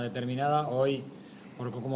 dengan cara tertentu